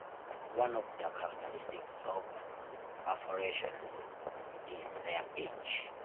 One of the characteristics of perforations is their pitch.